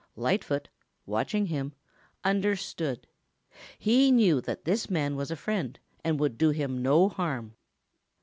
Lightfoot, watching him, understood. He knew that this man was a friend and would do him no harm.